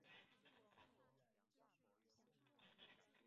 福建绣球为虎耳草科绣球属下的一个种。